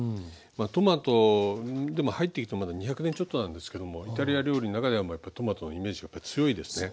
トマトでも入ってきてまだ２００年ちょっとなんですけどもイタリア料理の中ではトマトのイメージがやっぱり強いですね。